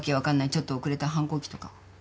ちょっと遅れた反抗期とか。